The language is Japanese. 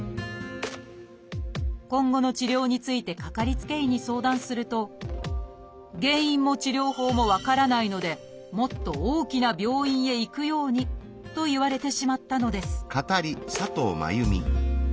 今後の治療についてかかりつけ医に相談すると「原因も治療法も分からないのでもっと大きな病院へ行くように」と言われてしまったのです